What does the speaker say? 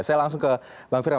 saya langsung ke bang firman